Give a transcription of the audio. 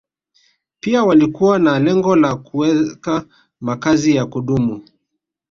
Pia walikuwa na lengo la kuweka makazi ya kudumu